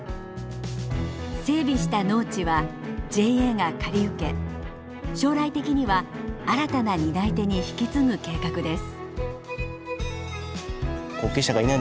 整備した農地はＪＡが借り受け将来的には新たな担い手に引き継ぐ計画です。